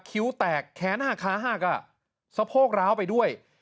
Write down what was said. คิ้วแตกแค้นหาขาหากอะซะโพกร้าวไปด้วย